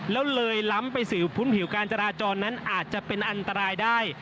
แล้วเลยล้ำไปสู่พื้นผิวการจราจรนั้นอาจจะเป็นอันตรายได้